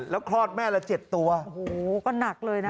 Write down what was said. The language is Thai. แล้วคลอดแม่ละเจ็ดตัวโอ้โหก็หนักเลยนะ